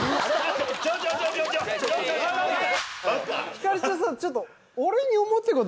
ひかるちゃんさちょっと。